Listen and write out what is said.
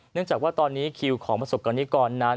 เนื่องจากว่าตอนย่มของประสบคนนี้ก่อน